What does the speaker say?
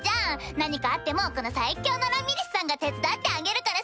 何かあってもこの最強のラミリスさんが手伝ってあげるからさ！